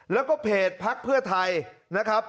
แล้วก็เพจพักเพื่อไทยนะครับ